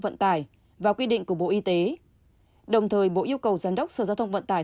vận tải và quy định của bộ y tế đồng thời bộ yêu cầu giám đốc sở giao thông vận tải